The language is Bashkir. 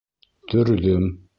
— Төрҙөм...